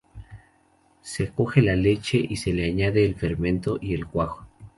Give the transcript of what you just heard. Se coge la leche y se le añade el fermento y el cuajo.